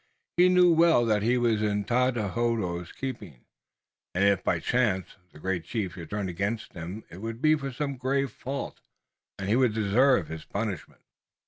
He knew well that he was in Tododaho's keeping, and, if by chance, the great chief should turn against him it would be for some grave fault, and he would deserve his punishment.